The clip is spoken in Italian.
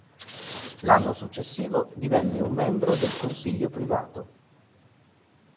L'anno successivo divenne un membro del Consiglio privato.